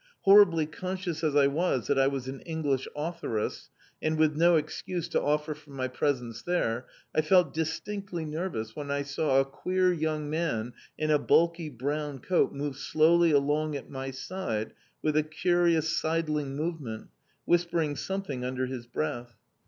Horribly conscious as I was that I was an English authoress and with no excuse to offer for my presence there, I felt distinctly nervous when I saw a queer young man in a bulky brown coat move slowly along at my side with a curious sidling movement, whispering something under his breath.